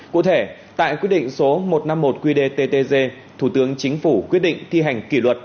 cụ thể tại quyết định số một trăm năm mươi một qdttg thủ tướng chính phủ quyết định thi hành kỷ luật